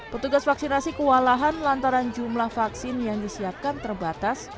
petugas vaksinasi kewalahan lantaran jumlah vaksin yang disiapkan terbatas